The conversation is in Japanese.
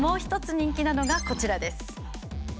人気なのがこちらです。